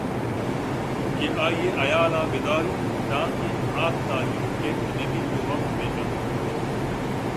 کہ آئی ءِ حیالءَبِہ داریت دانکہ آتاہیر گپت بہ بیتءُ وپت بِہ کنت